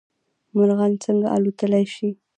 مرغان څنګه الوتلی شي؟